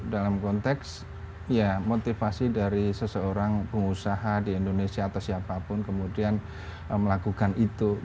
dalam konteks ya motivasi dari seseorang pengusaha di indonesia atau siapapun kemudian melakukan itu